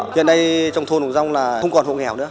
hiện nay trong thôn đồng rông là không còn hồ nghèo nữa